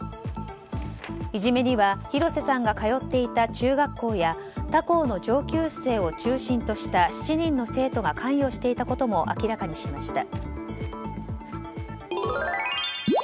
いじめには広瀬さんが通っていた中学校や他校の上級生を中心とした７人の生徒が関与していたことも明らかにしました。